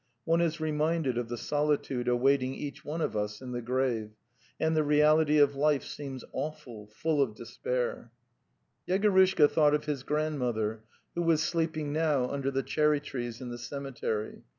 One is reminded of the solitude await ing each one of us in the grave, and the reality of life seems awl). hull iot despair yi vene Yegorushka thought of his grandmother, who was sleeping now under the cherry trees in the cemetery.